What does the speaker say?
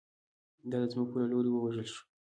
دا د ځمکوالو له لوري ووژل شو